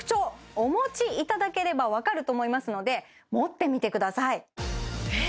お持ちいただければ分かると思いますので持ってみてくださいえっ？